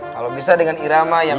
kalau bisa dengan irama yang